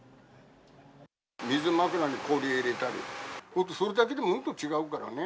水枕に氷入れたり、本当それだけでもうんと違うからね。